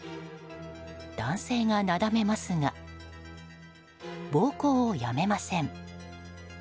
男性がなだめますが暴行をやめません。